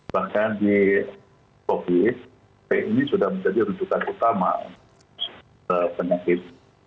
bahkan di covid sembilan belas ini sudah menjadi rujukan utama penyakit